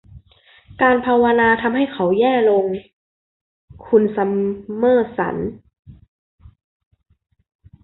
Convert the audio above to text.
การภาวนาทำให้เขาแย่ลง คุณซัมเมอร์สัน